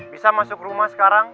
bisa masuk rumah sekarang